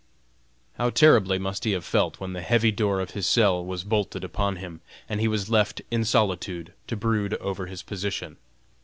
How terribly must he have felt when the heavy door of his cell was bolted upon him, and he was left in solitude to brood over his position.